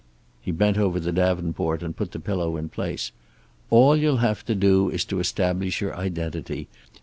He bent over the davenport and put the pillow in place. "All you'll have to do is to establish your identity.